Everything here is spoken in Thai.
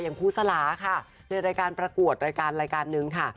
อย่างครูสลาค่ะในรายการประกวดรายการนึงค่ะ